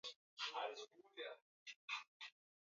Mwingiliano kati ya wanyamapori na mifugo